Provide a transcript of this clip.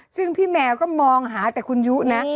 ซึ่งพี่แมวก็มองหาแต่คุณยุนะ